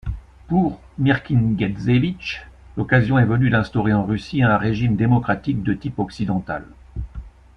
Pour Mirkine-Guetzévitch, l'occasion est venue d'instaurer en Russie un régime démocratique de type occidental.